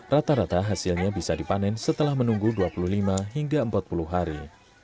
rata rata hasilnya bisa dipanen setelah menunggu dua puluh lima hingga empat puluh hari